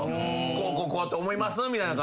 こうこうこうと思いますみたいな。